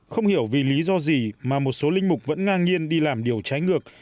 không hiểu vì lý do gì mà một số linh mục vẫn ngang nhiên đi làm điều trái ngược